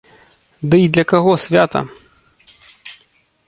Ды й для каго свята?